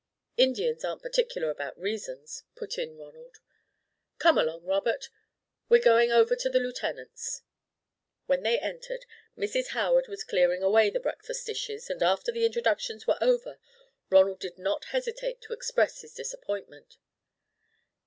"Indians aren't particular about reasons," put in Ronald. "Come along, Robert, we're going over to the Lieutenant's." When they entered, Mrs. Howard was clearing away the breakfast dishes, and after the introductions were over, Ronald did not hesitate to express his disappointment.